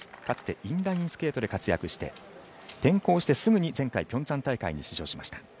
かつてインラインスケートで活躍して転向してすぐにピョンチャン大会に出場しました。